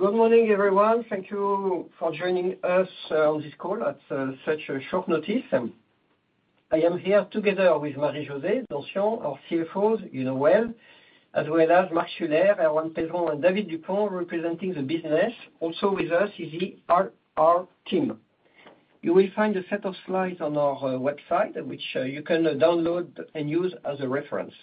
Good morning, everyone. Thank you for joining us, on this call at such a short notice. I am here together with Marie-José Donsion, our CFO, you know well, as well as Marc Schuller, Erwoan Pezron, and David Dupont, representing the business. Also with us is the RR team. You will find a set of slides on our website, which you can download and use as a reference.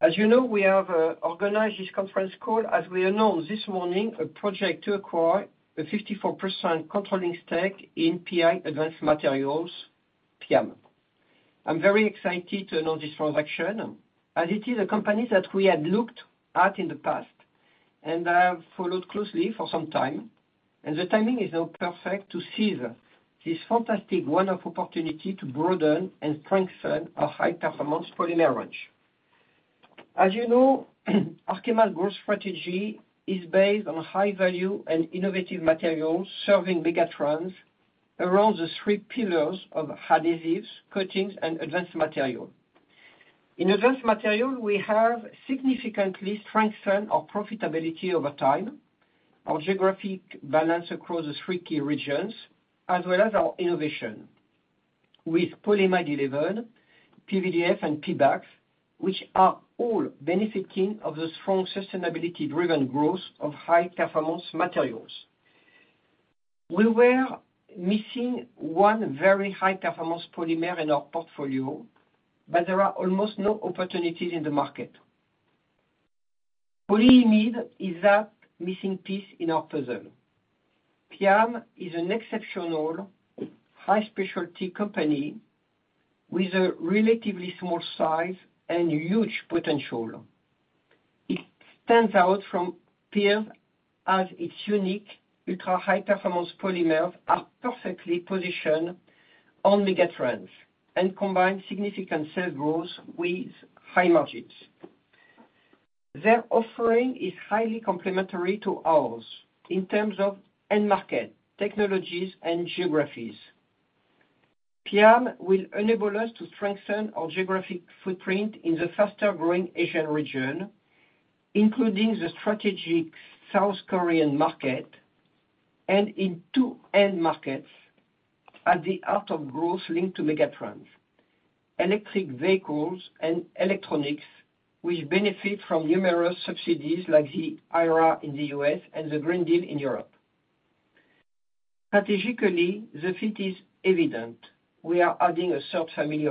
As you know, we have organized this conference call as we announce this morning a project to acquire a 54% controlling stake in PI Advanced Materials, PIAM. I'm very excited to announce this transaction, as it is a company that we had looked at in the past, and I have followed closely for some time. The timing is now perfect to seize this fantastic, wonderful opportunity to broaden and strengthen our high-performance polymer range. As you know, Arkema's growth strategy is based on high value and innovative materials, serving megatrends around the three pillars of adhesives, coatings, and advanced material. In advanced material, we have significantly strengthened our profitability over time, our geographic balance across the three key regions, as well as our innovation. With polyamide 11, PVDF, and PBAT, which are all benefiting of the strong sustainability-driven growth of high-performance materials. We were missing one very high-performance polymer in our portfolio, but there are almost no opportunities in the market. polyimide is that missing piece in our puzzle. PIAM is an exceptional high specialty company with a relatively small size and huge potential. It stands out from peers, as its unique ultra-high-performance polymers are perfectly positioned on megatrends and combine significant sales growth with high margins. Their offering is highly complementary to ours in terms of end market, technologies, and geographies. PIAM will enable us to strengthen our geographic footprint in the faster-growing Asian region, including the strategic South Korean market, and in two end markets at the heart of growth linked to megatrends: electric vehicles and electronics, which benefit from numerous subsidies like the IRA in the US and the Green Deal in Europe. Strategically, the fit is evident. This acquisition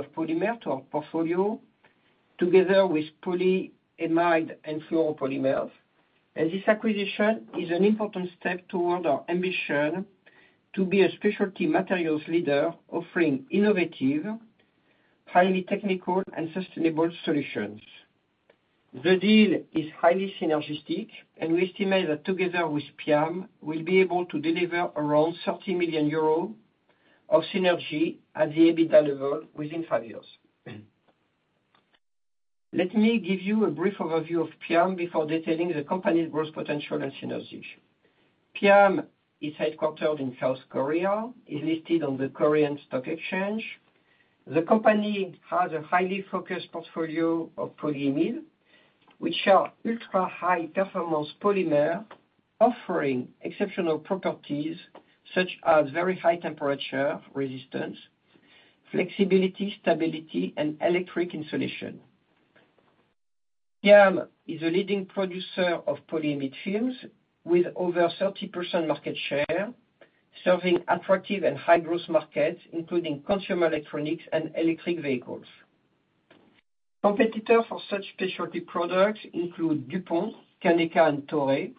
is an important step toward our ambition to be a specialty materials leader, offering innovative, highly technical, and sustainable solutions. We are adding a third family of polymer to our portfolio, together with polyamide and fluoropolymers. The deal is highly synergistic, and we estimate that together with PIAM, we'll be able to deliver around 30 million euros of synergy at the EBITDA level within five years. Let me give you a brief overview of PIAM before detailing the company's growth potential and synergy. PIAM is headquartered in South Korea, is listed on the Korea Exchange. The company has a highly focused portfolio of polyimide, which are ultra-high-performance polymer, offering exceptional properties, such as very high temperature resistance, flexibility, stability, and electric insulation. PIAM is a leading producer of polyimide films, with over 30% market share, serving attractive and high-growth markets, including consumer electronics and electric vehicles. Competitors for such specialty products include DuPont, Kaneka, and Toray.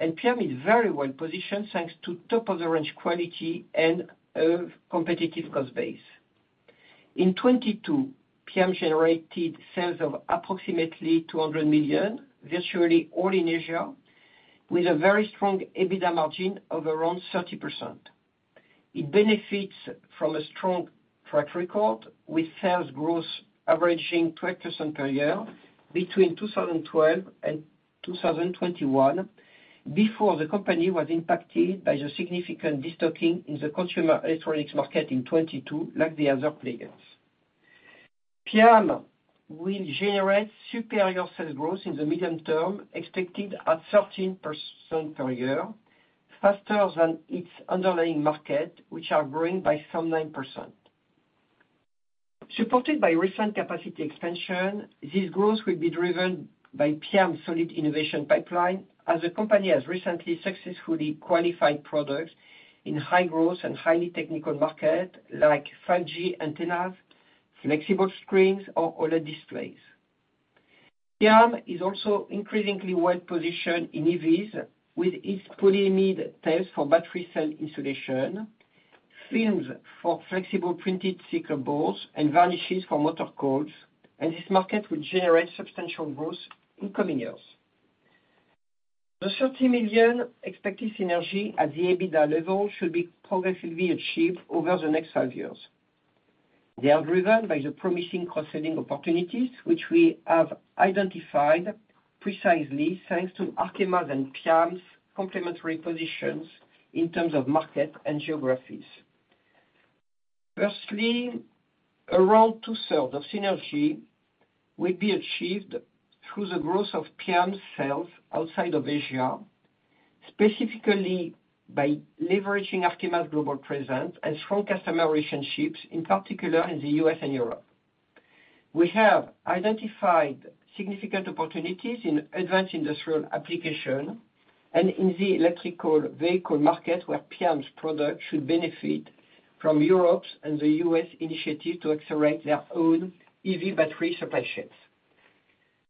PIAM is very well positioned, thanks to top-of-the-range quality and a competitive cost base. In 2022, PIAM generated sales of approximately 200 million million, virtually all in Asia, with a very strong EBITDA margin of around 30%. It benefits from a strong track record, with sales growth averaging 12% per year between 2012 and 2021, before the company was impacted by the significant destocking in the consumer electronics market in 2022, like the other players. PIAM will generate superior sales growth in the medium term, expected at 13% per year, faster than its underlying market, which are growing by some 9%. Supported by recent capacity expansion, this growth will be driven by PIAM's solid innovation pipeline, as the company has recently successfully qualified products in high-growth and highly technical markets, like 5G antennas, flexible screens, or OLED displays. PIAM is also increasingly well-positioned in EVs, with its polyimide tapes for battery cell insulation, films for flexible printed circuit boards, and varnishes for motor coils, and this market will generate substantial growth in coming years. The 30 million expected synergy at the EBITDA level should be progressively achieved over the next five years. They are driven by the promising cross-selling opportunities, which we have identified precisely thanks to Arkema's and PIAM's complementary positions in terms of market and geographies. Firstly, around 2/3 of synergy will be achieved through the growth of PIAM's sales outside of Asia, specifically by leveraging Arkema's global presence and strong customer relationships, in particular in the US and Europe. We have identified significant opportunities in advanced industrial application and in the electrical vehicle market, where PIAM's product should benefit from Europe's and the US initiative to accelerate their own EV battery supply chains.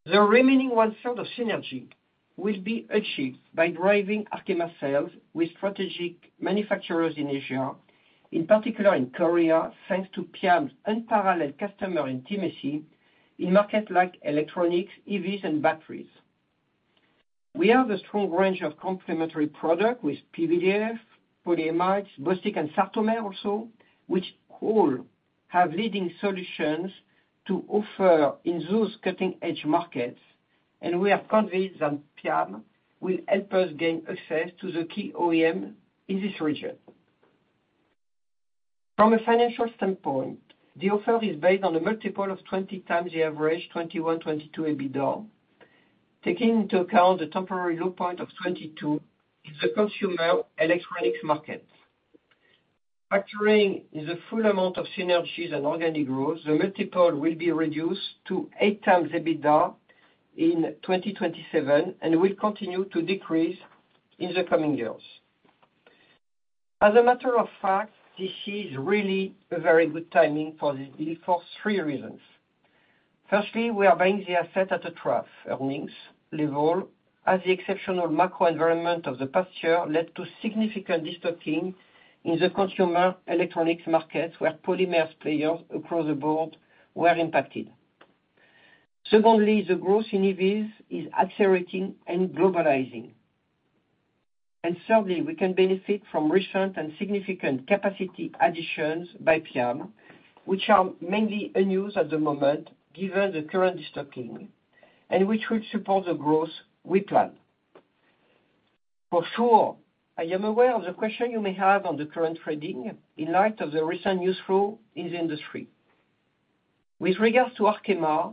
The remaining 1/3 of synergy will be achieved by driving Arkema sales with strategic manufacturers in Asia, in particular in Korea, thanks to PIAM's unparalleled customer intimacy in markets like electronics, EVs, and batteries. We have a strong range of complementary product with PVDF, polyamides, Bostik and Sartomer also, which all have leading solutions to offer in those cutting-edge markets, and we are convinced that PIAM will help us gain access to the key OEM in this region. From a financial standpoint, the offer is based on a multiple of 20x the average 2021, 2022 EBITDA, taking into account the temporary low point of 2022 in the consumer electronics market. Factoring the full amount of synergies and organic growth, the multiple will be reduced to 8x EBITDA in 2027, and will continue to decrease in the coming years. As a matter of fact, this is really a very good timing for this deal for three reasons. Firstly, we are buying the asset at a trough earnings level, as the exceptional macro environment of the past year led to significant destocking in the consumer electronics market, where polymers players across the board were impacted. Secondly, the growth in EVs is accelerating and globalizing. Thirdly, we can benefit from recent and significant capacity additions by PIAM, which are mainly unused at the moment, given the current destocking, and which will support the growth we plan. For sure, I am aware of the question you may have on the current trading in light of the recent news flow in the industry. With regards to Arkema,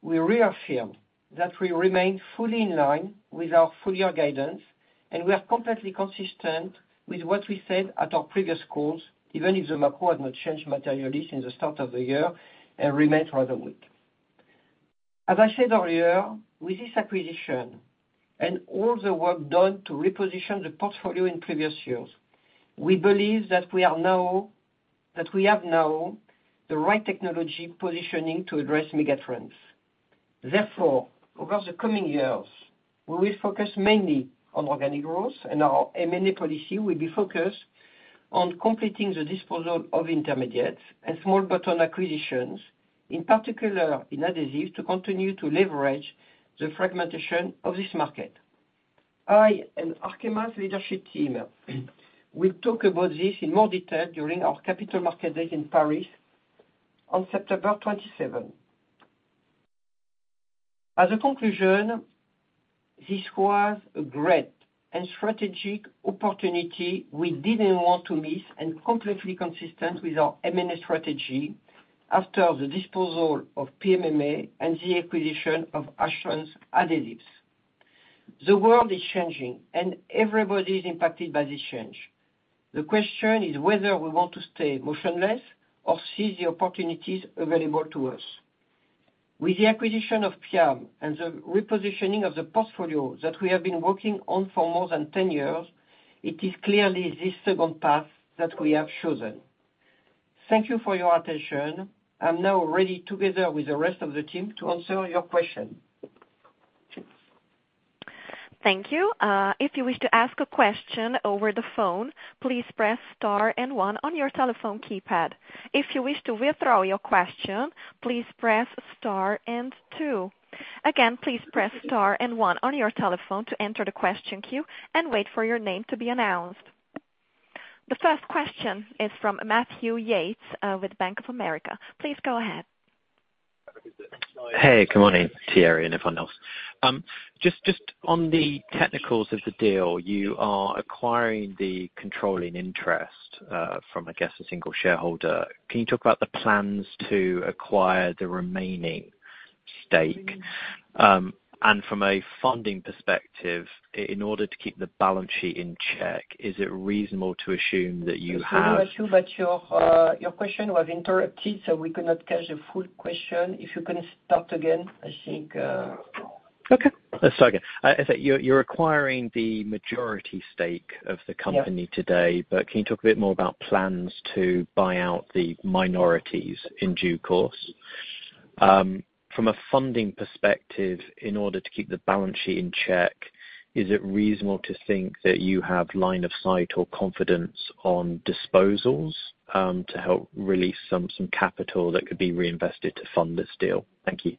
we reaffirm that we remain fully in line with our full-year guidance, and we are completely consistent with what we said at our previous calls, even if the macro has not changed materially since the start of the year and remains rather weak. As I said earlier, with this acquisition and all the work done to reposition the portfolio in previous years, we believe that we have now the right technology positioning to address mega trends. Therefore, over the coming years, we will focus mainly on organic growth, and our M&A policy will be focused on completing the disposal of intermediates and small bolt-on acquisitions, in particular in adhesives, to continue to leverage the fragmentation of this market. I and Arkema's leadership team will talk about this in more detail during our Capital Markets Day in Paris on September 27th. As a conclusion, this was a great and strategic opportunity we didn't want to miss, and completely consistent with our M&A strategy after the disposal of PMMA and the acquisition of Ashland Performance Adhesives. The world is changing, and everybody is impacted by this change. The question is whether we want to stay motionless or seize the opportunities available to us. With the acquisition of PIAM and the repositioning of the portfolio that we have been working on for more than ten years, it is clearly this second path that we have chosen. Thank you for your attention. I'm now ready, together with the rest of the team, to answer your questions. Cheers. Thank you. If you wish to ask a question over the phone, please press star and one on your telephone keypad. If you wish to withdraw your question, please press star and two. Again, please press star and one on your telephone to enter the question queue and wait for your name to be announced. The first question is from Matthew Yates, with Bank of America. Please go ahead. Hey, good morning, Thierry, and everyone else. Just on the technicals of the deal, you are acquiring the controlling interest, from, I guess, a single shareholder. Can you talk about the plans to acquire the remaining stake? From a funding perspective, in order to keep the balance sheet in check, is it reasonable to assume that you have? Hello, Matthew, your question was interrupted, so we could not catch the full question. If you can start again, I think? Okay. Let's start again. You're acquiring the majority stake of the company- Yeah... today. Can you talk a bit more about plans to buy out the minorities in due course? From a funding perspective, in order to keep the balance sheet in check, is it reasonable to think that you have line of sight or confidence on disposals to help release some capital that could be reinvested to fund this deal? Thank you.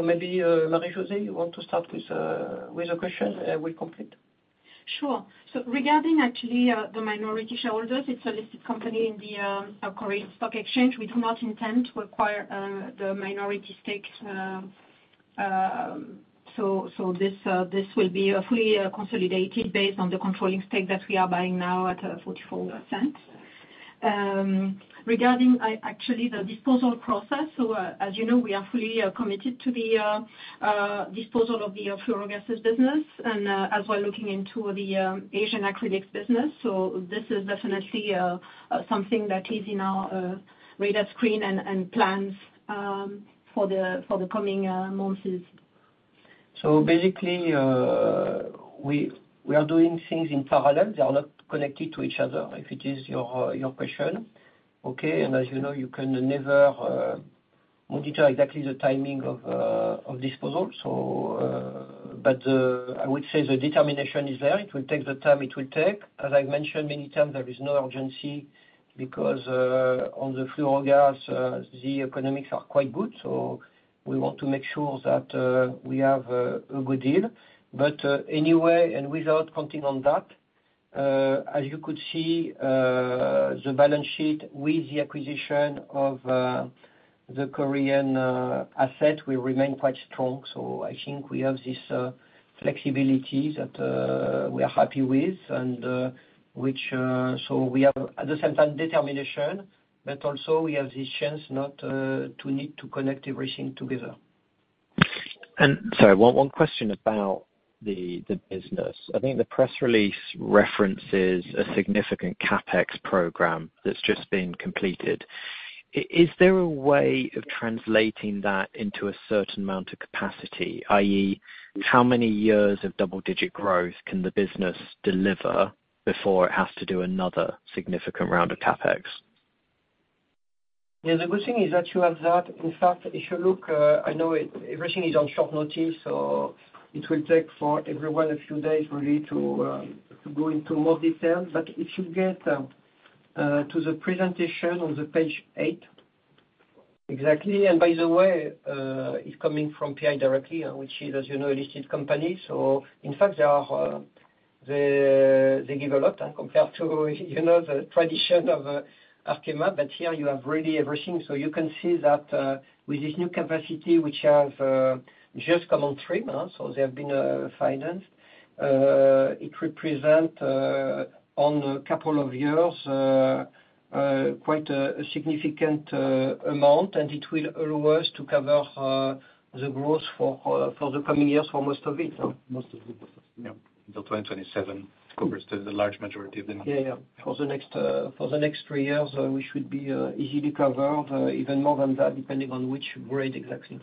Maybe, Marie-José, you want to start with the question we complete? Sure. Regarding actually, the minority shareholders, it's a listed company in the Korea Exchange. We do not intend to acquire the minority stakes. This will be fully consolidated based on the controlling stake that we are buying now at 0.44. Regarding actually the disposal process, as you know, we are fully committed to the disposal of the fluorogases business, and as we're looking into the Asian acrylics business. This is definitely something that is in our radar screen and plans for the coming months. Basically, we are doing things in parallel. They are not connected to each other, if it is your question. As you know, you can never monitor exactly the timing of disposal. I would say the determination is there. It will take the time it will take. As I've mentioned many times, there is no urgency because on the fluorogases, the economics are quite good, so we want to make sure that we have a good deal. Anyway, without counting on that, as you could see, the balance sheet with the acquisition of the Korean asset will remain quite strong. I think we have this flexibility that we are happy with, and which, so we have at the same time, determination, but also, we have this chance not to need to connect everything together. Sorry, one question about the business. I think the press release references a significant CapEx program that's just been completed. Is there a way of translating that into a certain amount of capacity, i.e., how many years of double-digit growth can the business deliver before it has to do another significant round of CapEx? Yeah, the good thing is that you have that. In fact, if you look, I know it, everything is on short notice, so it will take for everyone a few days really to go into more detail. If you get to the presentation on page eight, exactly, and by the way, it's coming from PI directly, which is, as you know, a listed company. In fact, there are, they give a lot, compared to you know, the tradition of Arkema, but here you have really everything. You can see that, with this new capacity, which have just come on stream, so they have been financed. It represent on a couple of years quite a significant amount, and it will allow us to cover the growth for the coming years for most of it. Yeah, till 2027, it covers the large majority of the- Yeah, yeah. For the next three years, we should be easily covered, even more than that, depending on which grade exactly.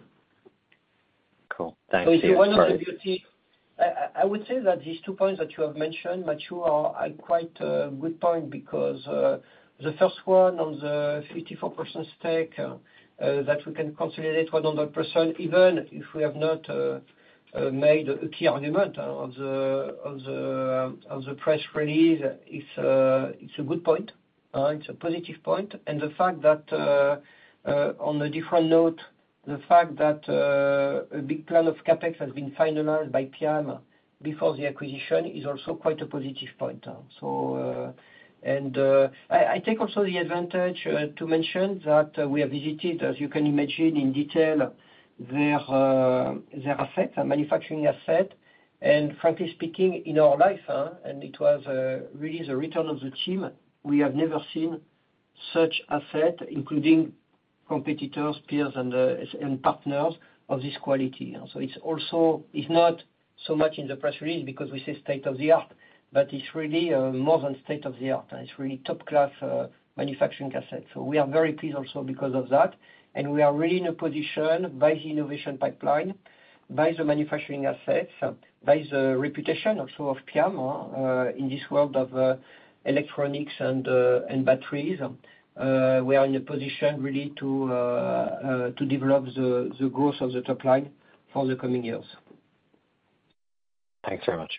Cool. Thank you. If you want to the beauty, I would say that these two points that you have mentioned, Matthew, are quite good point, because the first one on the 54% stake that we can consolidate 100%, even if we have not made a key argument on the press release, it's a good point. It's a positive point. The fact that on a different note, the fact that a big plan of CapEx has been finalized by PIAM before the acquisition is also quite a positive point. I take also the advantage to mention that we have visited, as you can imagine, in detail, their asset, a manufacturing asset, and frankly speaking, in our life, and it was really the return of the team, we have never seen such asset, including competitors, peers, and partners of this quality. It's not so much in the press release, because we say state of the art, but it's really more than state of the art, and it's really top-class manufacturing asset. We are very pleased also because of that. We are really in a position by the innovation pipeline, by the manufacturing assets, by the reputation also of PIAM in this world of electronics and batteries, we are in a position really to develop the growth of the top line for the coming years. Thanks very much.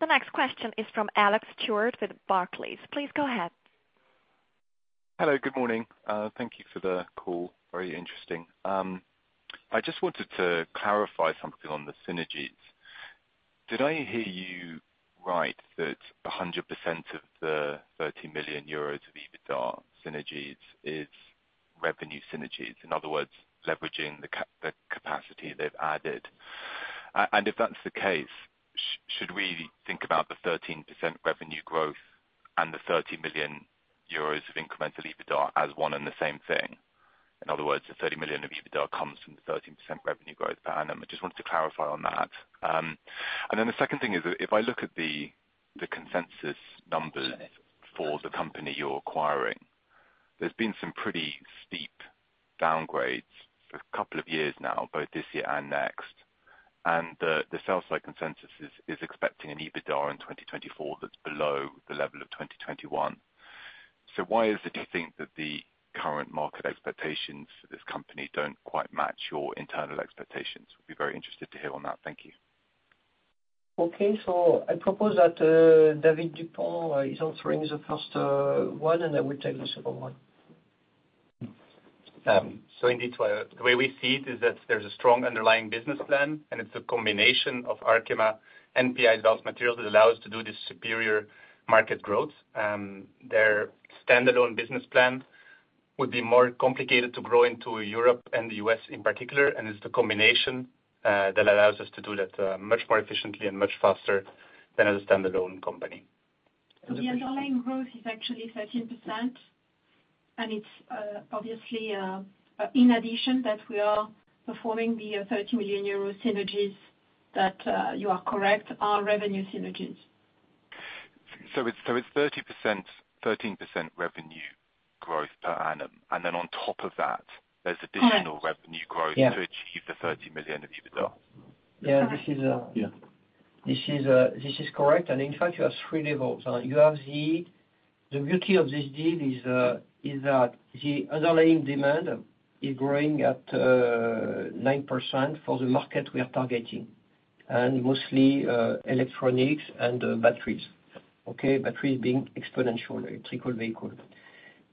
The next question is from Alex Stewart with Barclays. Please go ahead. Hello, good morning. Thank you for the call. Very interesting. I just wanted to clarify something on the synergies. Did I hear you right, that 100% of the 30 million euros of EBITDA synergies is revenue synergies, in other words, leveraging the capacity they've added? If that's the case, should we think about the 13% revenue growth and the 30 million euros of incremental EBITDA as one and the same thing? In other words, the 30 million of EBITDA comes from the 13% revenue growth pattern. I just wanted to clarify on that. The second thing is that if I look at the consensus numbers for the company you're acquiring, there's been some pretty steep downgrades for a couple of years now, both this year and next, the sell side consensus is expecting an EBITDA in 2024 that's below the level of 2021. Why is it, you think, that the current market expectations for this company don't quite match your internal expectations? We'd be very interested to hear on that. Thank you. Okay. I propose that David Dupont is answering the first one, and I will take the second one. Indeed, the way we see it is that there's a strong underlying business plan, it's a combination of Arkema and PI Advanced Materials that allow us to do this superior market growth. Their standalone business plan would be more complicated to grow into Europe and the US in particular, it's the combination that allows us to do that much more efficiently and much faster than as a standalone company. The underlying growth is actually 13%, and it's, obviously, in addition that we are performing the 30 million euro synergies that, you are correct, are revenue synergies. It's 30%, 13% revenue growth per annum, and then on top of that, there's additional. Yes. revenue growth to achieve the 30 million of EBITDA? Yeah. Yeah. This is correct. In fact, you have three levelss. You have the beauty of this deal is that the underlying demand is growing at 9% for the market we are targeting, mostly electronics and batteries, okay? Batteries being exponential electrical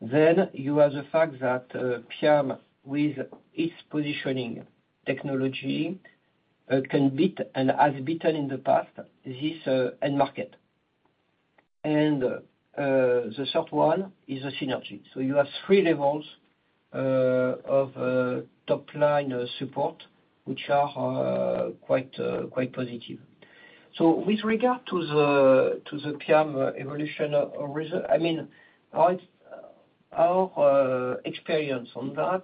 vehicle. You have the fact that PIAM, with its positioning technology, can beat and has beaten in the past, this end market. The third one is a synergy. You have three levelss of top-line support, which are quite positive. With regard to the PIAM evolution or reason, I mean, our experience on that,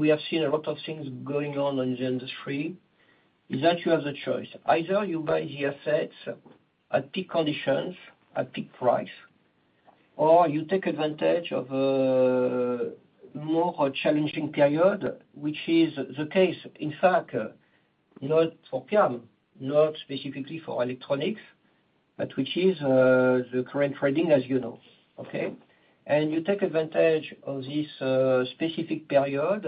we have seen a lot of things going on in the industry, is that you have the choice. Either you buy the assets at peak conditions, at peak price, or you take advantage of a more challenging period, which is the case, in fact, not for PIAM, not specifically for electronics, but which is the current trading, as you know, okay? You take advantage of this specific period,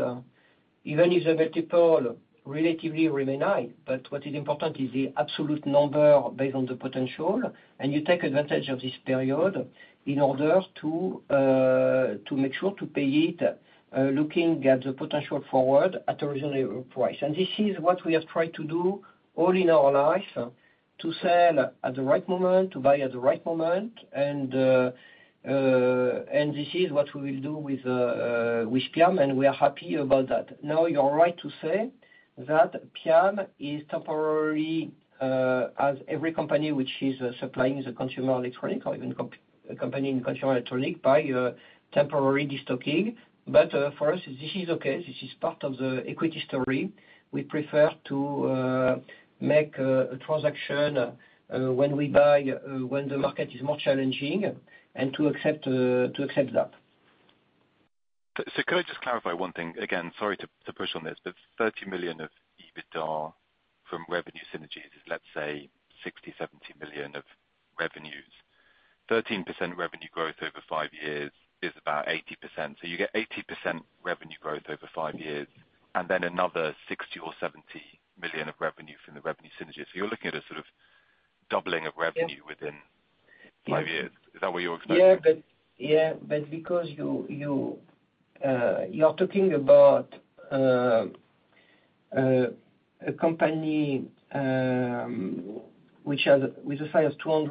even if the multiple relatively remain high. What is important is the absolute number based on the potential, and you take advantage of this period in order to make sure to pay it looking at the potential forward at a reasonable price. This is what we have tried to do all in our life, to sell at the right moment, to buy at the right moment, and this is what we will do with PIAM, and we are happy about that. You are right to say that PIAM is temporary, as every company which is supplying the consumer electronic or even company in consumer electronic, by a temporary destocking. For us, this is okay. This is part of the equity story. We prefer to make a transaction when we buy when the market is more challenging and to accept that. Could I just clarify one thing? Again, sorry to push on this. 30 million of EBITDA from revenue synergies is, let's say, 60 million-70 million of revenues. 13% revenue growth over five years is about 80%. You get 80% revenue growth over five years, and then another 60 million or 70 million of revenue from the revenue synergies. You're looking at a sort of doubling of revenue- Yes. within five years. Is that what you're expecting? Because you're talking about a company which has, with a size of 200 million,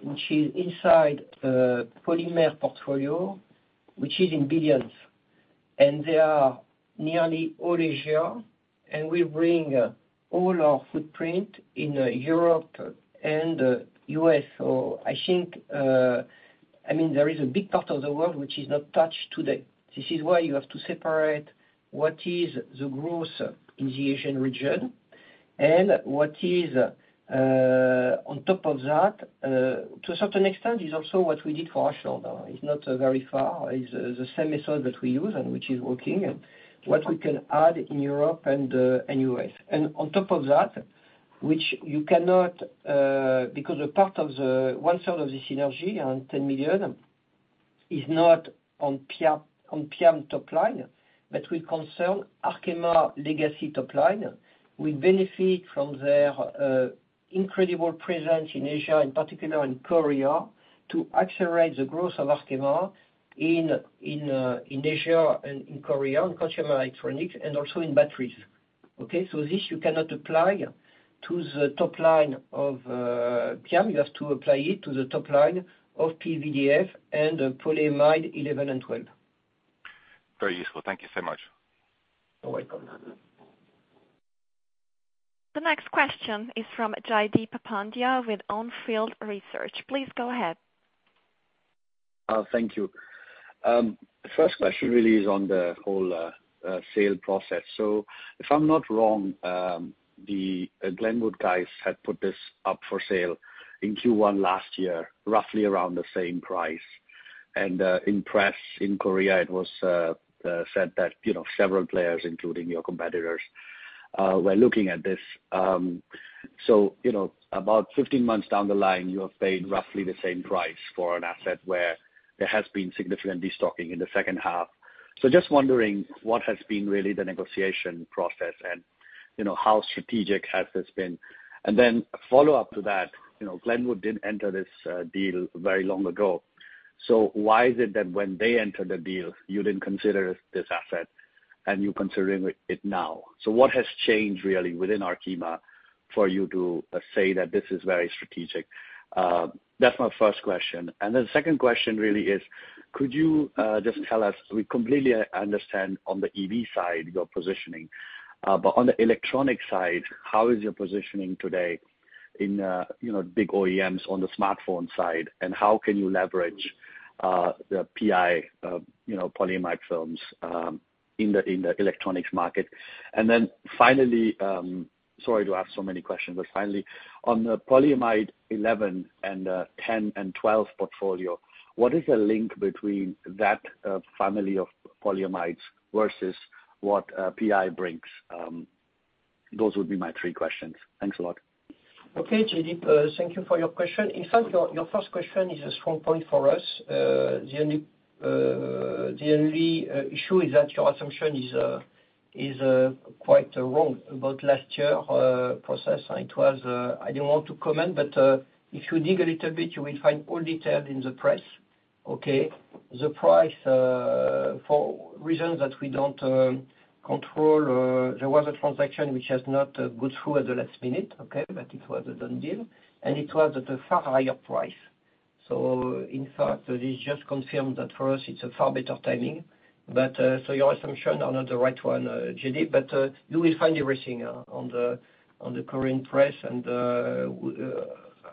which is inside a polymer portfolio, which is in billions of EUR. They are nearly all Asia, and we bring all our footprint in Europe and U.S. I mean, there is a big part of the world which is not touched today. This is why you have to separate what is the growth in the Asian region and what is on top of that, to a certain extent, is also what we did for Arkema. It's not very far. It's the same method that we use and which is working, and what we can add in Europe and U.S. On top of that, which you cannot, because a part of the one side of the synergy on 10 million is not on PIAM top line, but will concern Arkema legacy top line. We benefit from their incredible presence in Asia, in particular in Korea, to accelerate the growth of Arkema in Asia and in Korea, in consumer electronics and also in batteries. Okay, this you cannot apply to the top line of PIAM. You have to apply it to the top line of PVDF and polyamide 11 and 12. Very useful. Thank you so much. You're welcome. The next question is from Jaideep Pandya with On Field Investment Research. Please go ahead. Thank you. The first question really is on the whole sale process. If I'm not wrong, the Glenwood guys had put this up for sale in Q1 last year, roughly around the same price. In press in Korea, it was said that, you know, several players, including your competitors, were looking at this. You know, about 15 months down the line, you have paid roughly the same price for an asset where there has been significant destocking in the second half. Just wondering what has been really the negotiation process, and, you know, how strategic has this been? A follow-up to that, you know, Glenwood didn't enter this deal very long ago. Why is it that when they entered the deal, you didn't consider this asset? What has changed really within Arkema for you to say that this is very strategic? That's my first question. The second question really is, could you just tell us, we completely understand on the EV side, your positioning, but on the electronic side, how is your positioning today in, you know, big OEMs on the smartphone side, and how can you leverage the PI, you know, polyimide films, in the electronics market? Finally, sorry to ask so many questions, but finally, on the polyimide 11 and 10 and 12 portfolio, what is the link between that family of polyimides versus what PI brings? Those would be my three questions. Thanks a lot. Okay, JD, thank you for your question. In fact, your first question is a strong point for us. The only issue is that your assumption is quite wrong about last year process. It was, I didn't want to comment, but if you dig a little bit, you will find all detailed in the press. Okay, the price, for reasons that we don't control, there was a transaction which has not gone through at the last minute, okay? But it was a done deal, and it was at a far higher price. In fact, this just confirmed that for us, it's a far better timing. Your assumption are not the right one, JD, but you will find everything on the current press.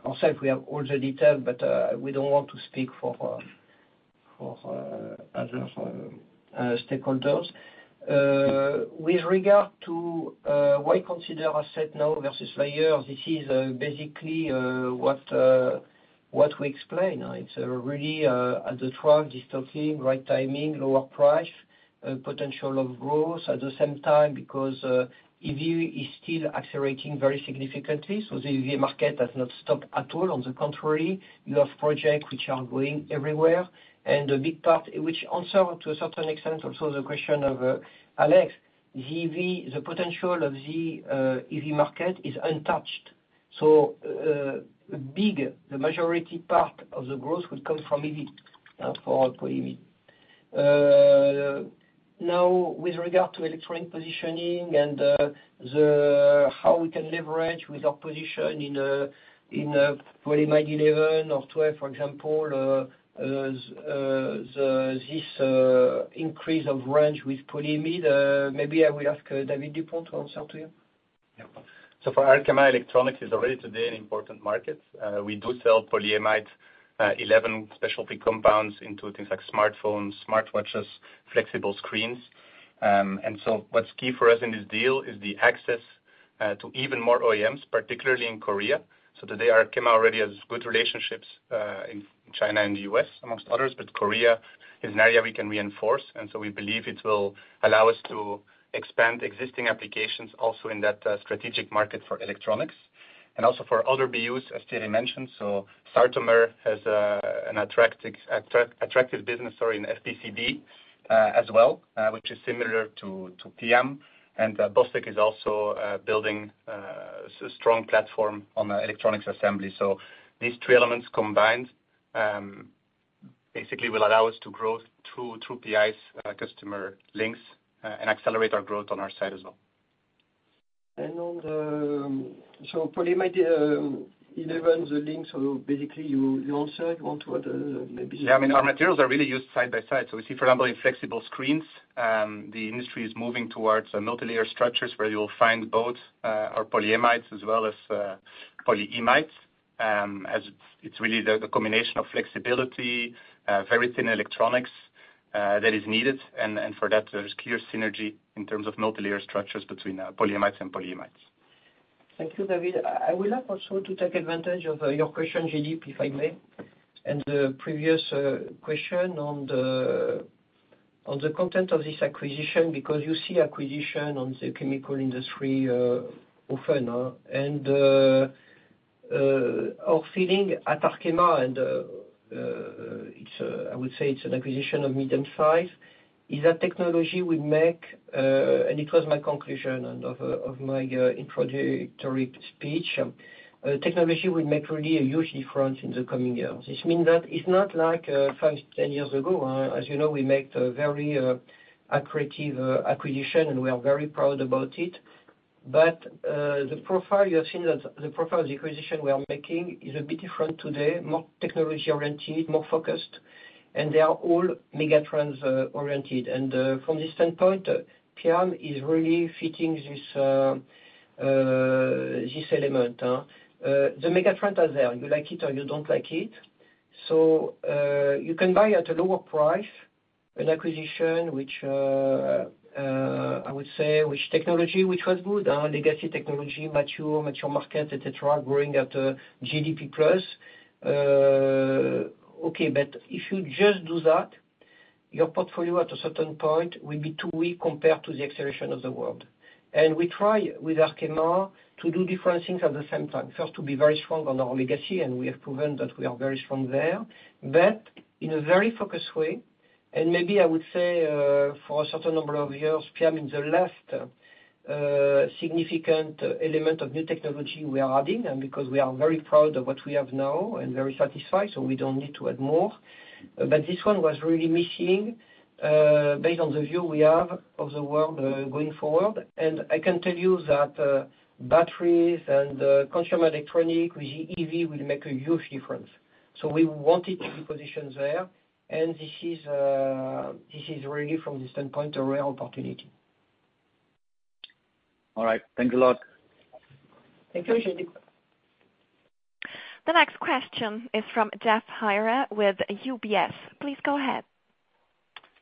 Ourselves, we have all the detail, but we don't want to speak for other stakeholders. With regard to why consider asset now versus later, this is basically what we explain. It's really at the right timing, lower price, potential of growth at the same time, because EV is still accelerating very significantly. The EV market has not stopped at all. On the contrary, you have projects which are going everywhere. A big part, which also, to a certain extent, also the question of Alex, EV, the potential of the EV market is untouched. Big, the majority part of the growth will come from EV for polyimide. Now, with regard to electronic positioning and, how we can leverage with our position in polyimide 11 or 12, for example, this, increase of range with polyimide, maybe I will ask David Dupont to answer to you. Yeah. For Arkema, electronics is already today an important market. We do sell polyimide 11 specialty compounds into things like smartphones, smartwatches, flexible screens. What's key for us in this deal is the access to even more OEMs, particularly in Korea. Today, Arkema already has good relationships in China and the US, amongst others, but Korea is an area we can reinforce. We believe it will allow us to expand existing applications also in that strategic market for electronics. Also for other BUs, as JD mentioned, Sartomer has an attractive business story in FPCB as well, which is similar to PIAM. Bostik is also building a strong platform on the electronics assembly. These three elements combined, basically will allow us to grow through PI's customer links, and accelerate our growth on our side as well. On the polyimide 11, the link, basically, you answer, you want to add. Yeah, I mean, our materials are really used side by side. We see, for example, in flexible screens, the industry is moving towards a multilayer structures, where you'll find both, our polyamides, as well as, polyimides. As it's really the combination of flexibility, very thin electronics, that is needed. For that, there is clear synergy in terms of multilayer structures between polyamides and polyimides. Thank you, David. I would like also to take advantage of your question, JD, if I may, and the previous question on the content of this acquisition, because you see acquisition on the chemical industry often. Our feeling at Arkema, it's I would say it's an acquisition of medium size, is that it was my conclusion and of my introductory speech, technology will make really a huge difference in the coming years. This means that it's not like five, 10 years ago, as you know, we make a very accretive acquisition, and we are very proud about it. The profile, you have seen that the profile of the acquisition we are making is a bit different today, more technology oriented, more focused, and they are all megatrends oriented. From this standpoint, PIAM is really fitting this element. The megatrend are there, you like it or you don't like it. You can buy at a lower price, an acquisition which, I would say, which technology, which was good, legacy technology, mature market, et cetera, growing at GDP plus. Okay, if you just do that, your portfolio at a certain point will be too weak compared to the acceleration of the world. We try, with Arkema, to do different things at the same time. First, to be very strong on our legacy, and we have proven that we are very strong there. But in a very focused way. Maybe I would say, for a certain number of years, PMMA in the left, significant element of new technology we are adding, and because we are very proud of what we have now and very satisfied, we don't need to add more. This one was really missing, based on the view we have of the world, going forward. I can tell you that, batteries and, consumer electronic, with EV will make a huge difference. We wanted to be positioned there, and this is, this is really from this standpoint, a real opportunity. All right. Thanks a lot. Thank you. The next question is from Geoff Haire with UBS. Please go ahead.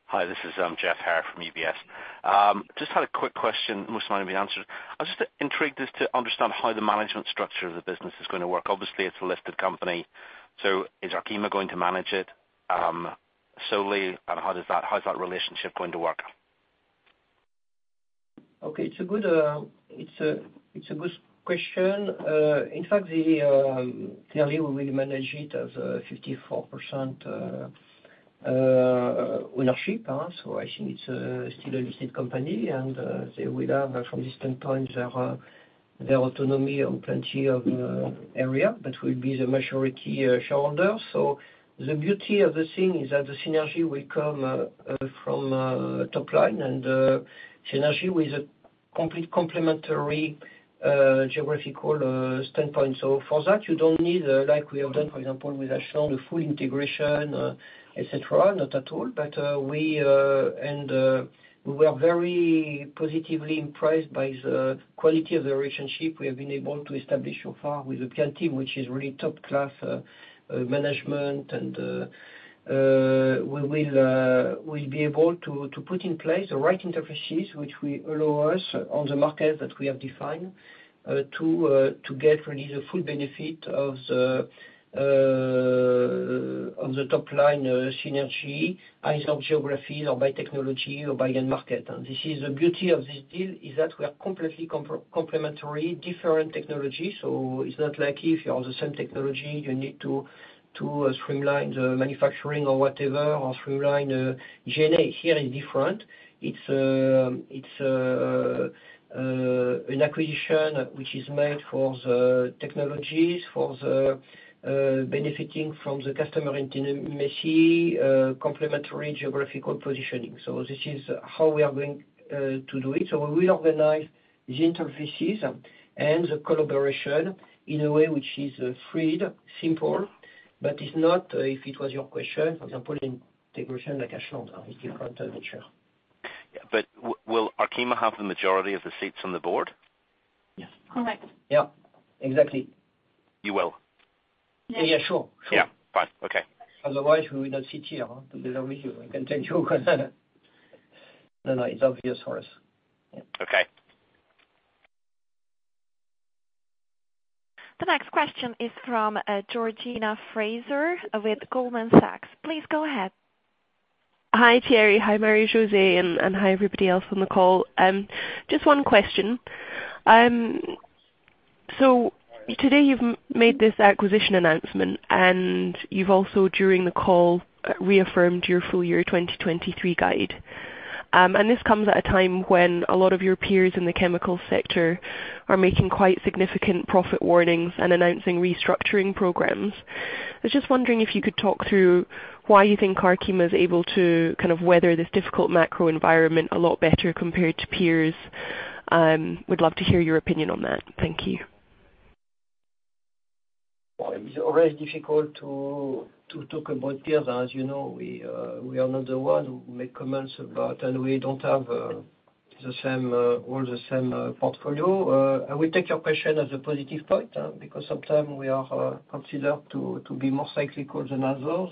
Hi, this is Geoff Haire from UBS. Just had a quick question, most might have been answered. I was just intrigued as to understand how the management structure of the business is gonna work. Obviously, it's a listed company, so is Arkema going to manage it solely, and how is that relationship going to work? Okay, it's a good question. In fact, the, clearly, we will manage it as a 54% ownership, huh? I think it's still a listed company. They will have, from this standpoint, their autonomy on plenty of area, but we'll be the majority shareholder. The beauty of the thing is that the synergy will come from top line, and synergy with a complete complementary geographical standpoint. For that, you don't need, like we have done, for example, with a full integration, et cetera, not at all. We, and we are very positively impressed by the quality of the relationship we have been able to establish so far with the PIAM team, which is really top-class management. We will, we'll be able to put in place the right interfaces, which will allow us on the market that we have defined, to get really the full benefit of the top line synergy, either geography or by technology or by end market. This is the beauty of this deal, is that we are completely complementary, different technologies. It's not like if you are the same technology, you need to streamline the manufacturing or whatever, or streamline DNA. Here is different. It's an acquisition which is made for the technologies, for the benefiting from the customer intimacy, complementary geographical positioning. This is how we are going to do it. We reorganize the interfaces and the collaboration in a way which is freed, simple, but it's not, if it was your question, for example, integration like a standard. It's different nature. Will Arkema have the majority of the seats on the board? Yes. Correct. Yeah, exactly. You will? Yeah, sure. Sure. Yeah, fine. Okay. Otherwise, we would not sit here with you. I can tell you. No, no, it's obvious for us. Yeah. Okay. The next question is from Georgina Fraser with Goldman Sachs. Please go ahead. Hi, Thierry. Hi, Marie-José, and hi, everybody else on the call. Just one question. Today you've made this acquisition announcement, and you've also, during the call, reaffirmed your full year 2023 guide. This comes at a time when a lot of your peers in the chemical sector are making quite significant profit warnings and announcing restructuring programs. I was just wondering if you could talk through why you think Arkema is able to kind of weather this difficult macro environment a lot better compared to peers. Would love to hear your opinion on that. Thank you. Well, it's always difficult to talk about peers. As you know, we are not the one who make comments about, and we don't have the same or the same portfolio. I will take your question as a positive point because sometimes we are considered to be more cyclical than others.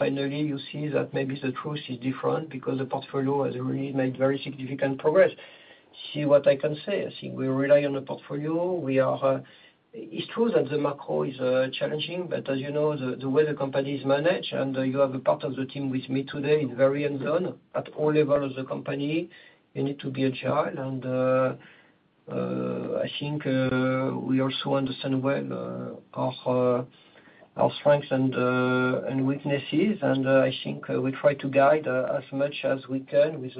Finally, you see that maybe the truth is different because the portfolio has really made very significant progress. See what I can say, I think we rely on the portfolio. We are. It's true that the macro is challenging, but as you know, the way the company is managed, and you have a part of the team with me today, is very hands-on. At all level of the company, you need to be agile. I think we also understand well our strengths and weaknesses. I think we try to guide as much as we can with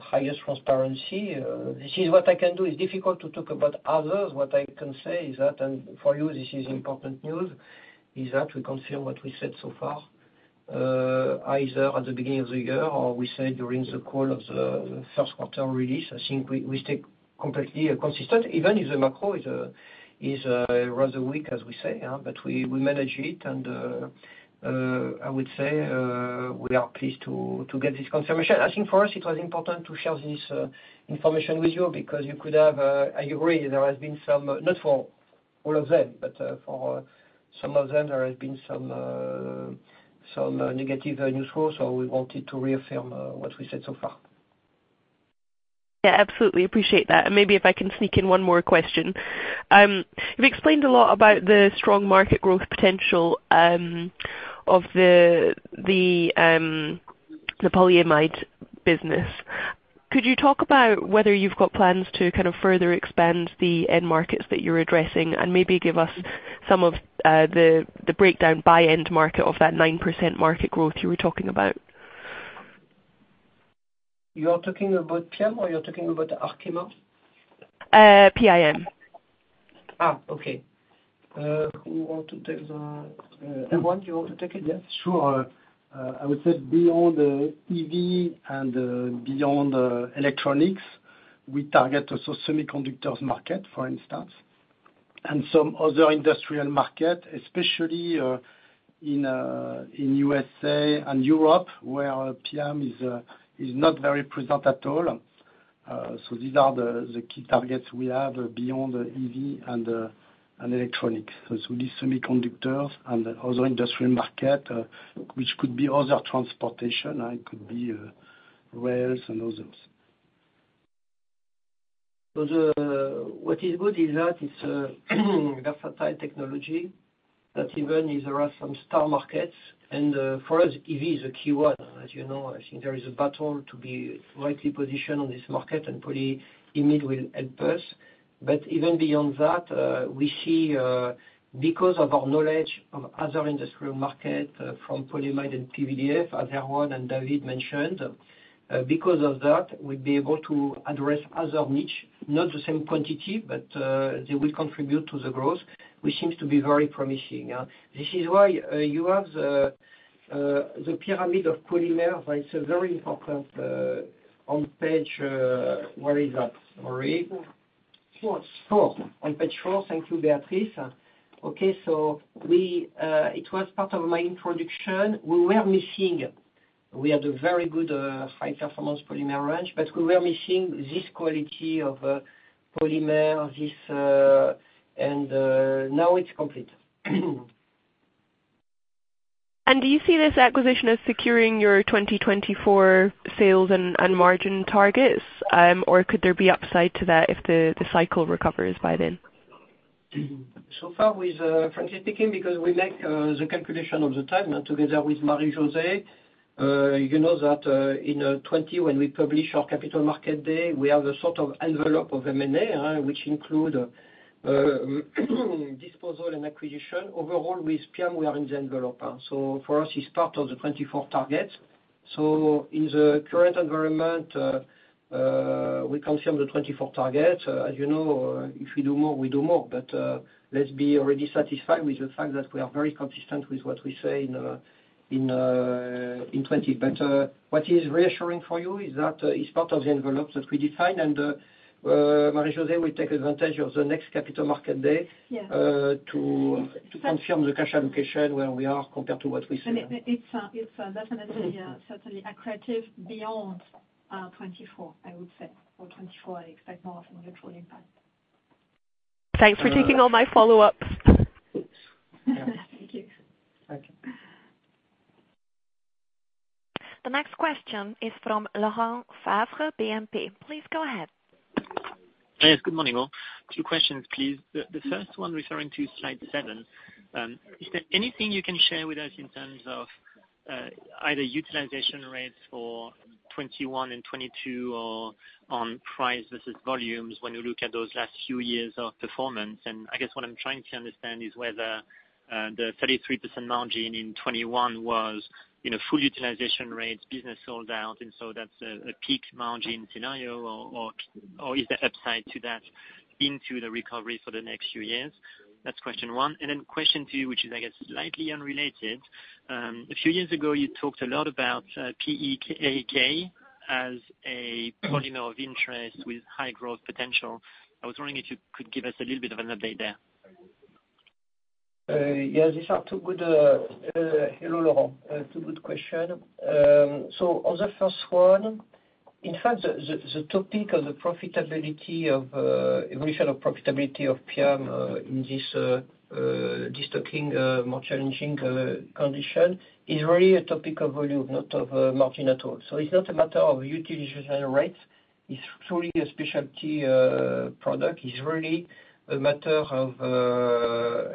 highest transparency. This is what I can do. It's difficult to talk about others. What I can say is that, and for you, this is important news, is that we confirm what we said so far, either at the beginning of the year or we said during the call of the first quarter release. I think we stay completely consistent, even if the macro is rather weak, as we say, huh? We manage it, I would say, we are pleased to get this confirmation. I think for us it was important to share this information with you because you could have. I agree, there has been some, not for all of them, but for some of them, there has been some negative news flow, so we wanted to reaffirm what we said so far. Yeah, absolutely, appreciate that. Maybe if I can sneak in one more question. You've explained a lot about the strong market growth potential of the Polyamide business. Could you talk about whether you've got plans to kind of further expand the end markets that you're addressing, and maybe give us some of the breakdown by end market of that 9% market growth you were talking about? You are talking about PIAM or you're talking about Arkema? PIAM. Okay. Who want to take it? Erwoan, you want to take it? Yes, sure. I would say beyond EV and beyond electronics, we target also semiconductors market, for instance, and some other industrial market, especially in USA and Europe, where PIAM is not very present at all. These are the key targets we have beyond the EV and electronics. It will be semiconductors and other industrial market, which could be other transportation, it could be rails and others. What is good is that it's a fertile technology that even if there are some star markets, for us, EV is a key one. As you know, I think there is a battle to be rightly positioned on this market, and polyimide will help us. Even beyond that, we see, because of our knowledge on other industrial market, from polyimide and PVDF, as Erwoan and David mentioned, because of that, we'd be able to address other niche, not the same quantity, but they will contribute to the growth, which seems to be very promising. This is why, you have the pyramid of polymers, right? Very important, on page, where is that? Sorry. Four. Four. On page four. Thank you, Beatrice. Okay, we, it was part of my introduction. We had a very good high-performance polymer range, but we were missing this quality of polymer, this. Now it's complete. Do you see this acquisition as securing your 2024 sales and margin targets? Or could there be upside to that if the cycle recovers by then? So far with Francis speaking, because we make the calculation of the time together with Marie-José. You know that in 2020, when we publish our Capital Markets Day, we have a sort of envelope of M&A, which include disposal and acquisition. With PIAM, we are in the envelope, for us, it's part of the 2024 target. In the current environment, we confirm the 2024 target. As you know, if we do more, we do more. Let's be already satisfied with the fact that we are very consistent with what we say in 2020. What is reassuring for you is that it's part of the envelope that we define. Marie-José will take advantage of the next Capital Markets Day. Yes. To confirm the cash allocation, where we are compared to what we said. It's definitely certainly accretive beyond 2024, I would say, or 2024, I expect more from a neutral impact. Thanks for taking all my follow-ups. Thank you. Thank you. The next question is from Laurent Favre, BNP. Please go ahead. Yes, good morning, all. Two questions, please. The first one referring to slide seven. Is there anything you can share with us in terms of either utilization rates for 2021 and 2022 or on price versus volumes when you look at those last few years of performance? I guess what I'm trying to understand is whether the 33% margin in 2021 was, you know, full utilization rates, business sold out, and so that's a peak margin scenario, or is there upside to that into the recovery for the next few years? That's question one. Question two, which is, I guess, slightly unrelated. A few years ago, you talked a lot about PEKK as a polymer of interest with high growth potential. I was wondering if you could give us a little bit of an update there. Yes, these are two good. Hello, Laurent. Two good question. On the first one, in fact, the topic of the profitability of evolution of profitability of PMMA in this destocking, more challenging condition, is really a topic of volume, not of margin at all. It's not a matter of utilization rates. It's truly a specialty product. It's really a matter of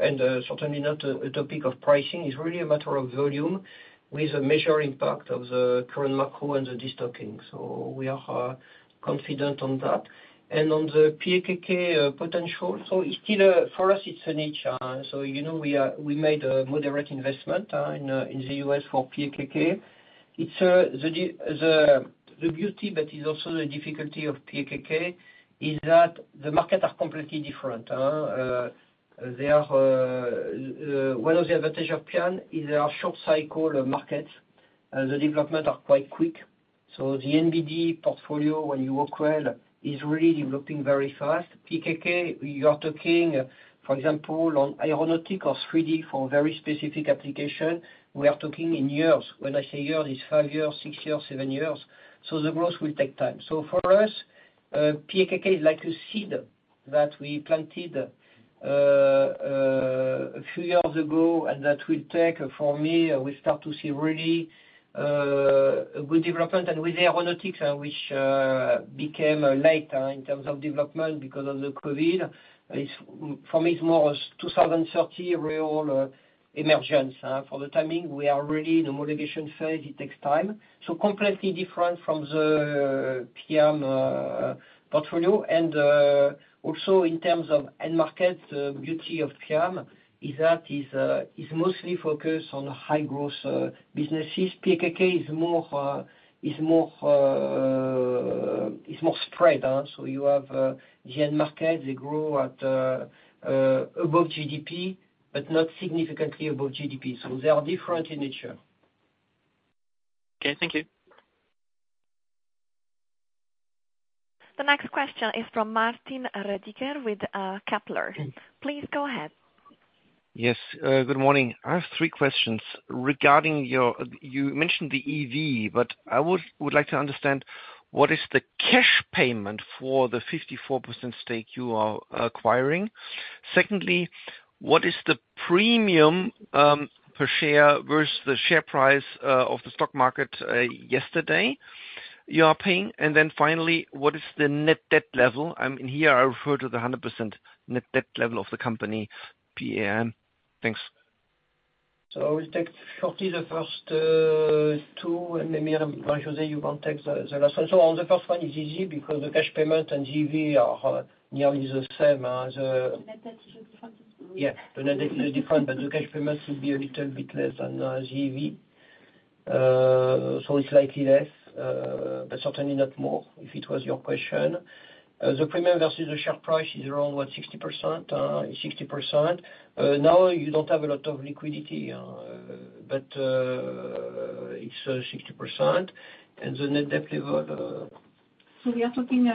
and certainly not a topic of pricing. It's really a matter of volume, with a major impact of the current macro and the destocking. We are confident on that. On the PEKK potential, it's still for us, it's a niche. You know, we made a moderate investment in the U.S. for PEKK. It's the beauty, but it's also the difficulty of PEKK, is that the market are completely different, they are... One of the advantages of PIAM is they are short cycle markets, the developments are quite quick. The NBD portfolio, when you work well, is really developing very fast. PEKK, you are talking, for example, on aeronautic or 3D for very specific applications, we are talking in years. When I say years, it's five years, six years, seven years. For us, PEKK is like a seed that we planted two years ago, and that will take, for me, we start to see really a good development. With aeronautics, which became late in terms of development because of the COVID, it's for me, it's more as 2030 real emergence. For the timing, we are really in the motivation phase, it takes time. Completely different from the PIAM portfolio. Also in terms of end market, the beauty of PIAM is that is mostly focused on high growth businesses. PEKK is more spread out. You have the end market, they grow at above GDP, but not significantly above GDP. They are different in nature. Okay, thank you. The next question is from Martin Roediger with, Kepler. Please go ahead. Yes, good morning. I have three questions regarding you mentioned the EV, but I would like to understand what is the cash payment for the 54% stake you are acquiring? Secondly, what is the premium per share versus the share price of the stock market yesterday you are paying? Finally, what is the net debt level? Here I refer to the 100% net debt level of the company, PIAM. Thanks. I will take shortly the first two, and maybe Marie-José, you want to take the last one. On the first one is easy because the cash payment and EV are nearly the same as. The net debt is different. The net debt is different, but the cash payment will be a little bit less than EV. It's likely less, but certainly not more, if it was your question. The premium versus the share price is around, what? 60%. Now you don't have a lot of liquidity, but it's 60%. The net debt level... We are talking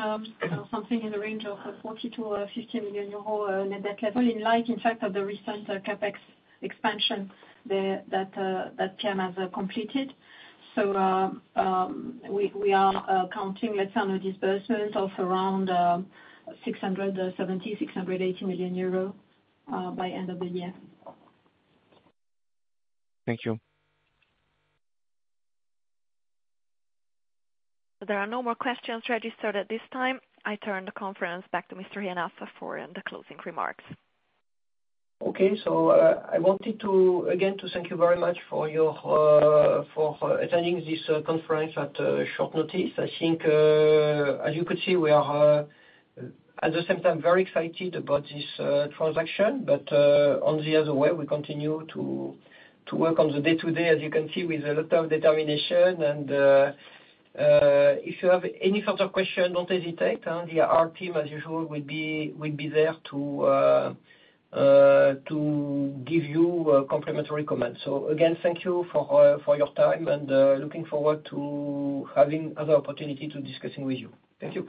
something in the range of 40 million-50 million euro net debt level, in light, in fact, of the recent CapEx expansion there, that PIAM has completed. We are counting, let's say, on a disbursement of around 670 million-680 million euro by end of the year. Thank you. There are no more questions registered at this time. I turn the conference back to Mr. Le Hénaff for the closing remarks. Okay. I wanted to again thank you very much for your for attending this conference at short notice. I think as you could see, we are at the same time very excited about this transaction. On the other way, we continue to work on the day-to-day, as you can see, with a lot of determination. If you have any further questions, don't hesitate, and our team, as usual, will be there to give you a complimentary comment. Again, thank you for your time, and looking forward to having other opportunity to discussing with you. Thank you.